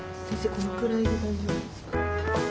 このくらいで大丈夫ですか？